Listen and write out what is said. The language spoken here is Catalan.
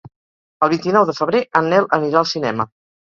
El vint-i-nou de febrer en Nel anirà al cinema.